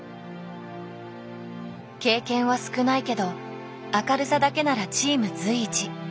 経験は少ないけど明るさだけならチーム随一。